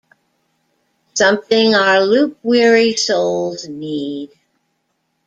Something our loop-weary souls need.